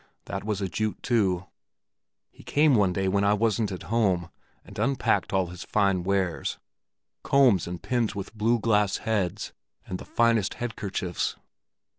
That was a Jute too. He came one day when I wasn't at home, and unpacked all his fine wares—combs and pins with blue glass heads, and the finest head kerchiefs.